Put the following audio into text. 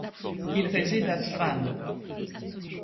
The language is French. Il réside à Strand.